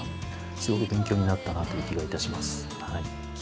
すごく勉強になったなという気がいたします。